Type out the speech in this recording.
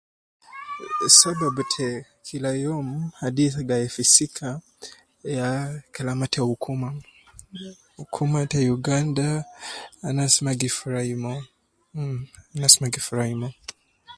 Sabab ta kila youm hadis gai fi sika ya kalama ta hukuma hukuma ta Uganda anas ma gifurai mo uhmm anas ma gifurai mo